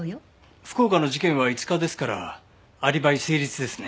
福岡の事件は５日ですからアリバイ成立ですね。